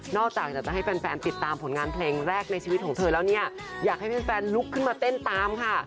จากอยากจะให้แฟนติดตามผลงานเพลงแรกในชีวิตของเธอแล้วเนี่ยอยากให้แฟนลุกขึ้นมาเต้นตามค่ะ